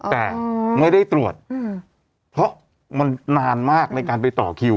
แต่ไม่ได้ตรวจเพราะมันนานมากในการไปต่อคิว